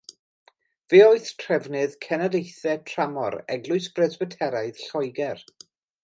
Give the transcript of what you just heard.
Fe oedd trefnydd cenadaethau tramor Eglwys Bresbyteraidd Lloegr.